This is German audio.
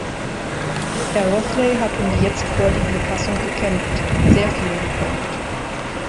Herr Rothley hat um die jetzt vorliegende Fassung gekämpft, sehr viel gekämpft.